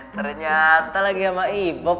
ternyata lagi sama i bob